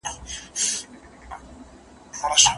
خاوند څنګه خوشالېدلای سي؟